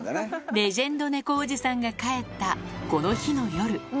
レジェンド猫おじさんが帰ったこの日の夜。